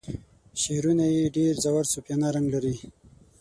شعرونه یې ډیر ژور صوفیانه رنګ لري.